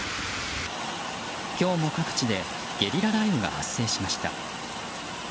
今日も各地でゲリラ雷雨が発生しました。